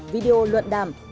video luận đàm